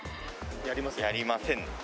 やりません。